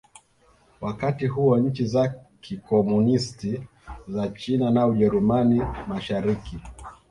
Wakati huo nchi za Kikomunisti za China na Ujerumani Mashariki